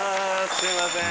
すいません。